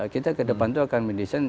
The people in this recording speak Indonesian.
kita ke depan itu akan mendesain